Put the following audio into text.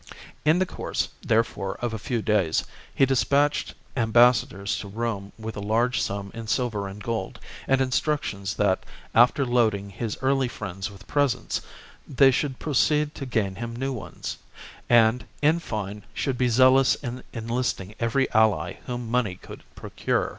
In the course, therefore, of a few days, he despatched ambassadors to Rome with a large sum in silver and gold, and instructions that after loading his early friends with presents they should proceed to gain him new ones, and, in fine, should be zealous in enlisting every ally whom money could procure.